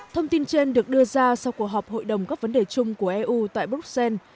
thông tin trên được đưa ra sau cuộc họp hội đồng các vấn đề chung của eu tại bruxelles